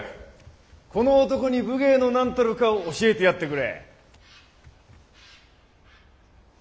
この男に武芸のなんたるかを教えてやってくれ！